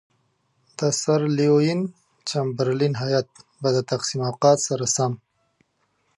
د سر لیوین چمبرلین هیات به د تقسیم اوقات سره سم.